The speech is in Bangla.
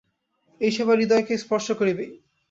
এই সেবা হৃদয়কে স্পর্শ করিবেই।